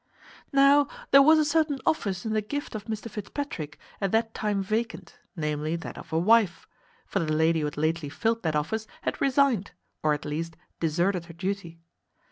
Now there was a certain office in the gift of Mr Fitzpatrick at that time vacant, namely that of a wife: for the lady who had lately filled that office had resigned, or at least deserted her duty.